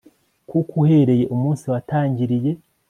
kuko uhereye umunsi watangiriye